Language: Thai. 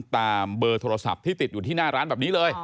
เบอร์โทรศัพท์ที่ติดอยู่ที่หน้าร้านแบบนี้เลย